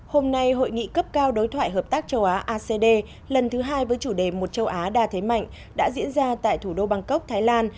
hôm nay hội nghị cấp cao đối thoại hợp tác châu á acd lần thứ hai với chủ đề một châu á đa thế mạnh đã diễn ra tại thủ đô bangkok thái lan